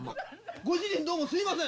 ご主人、どうもすみません。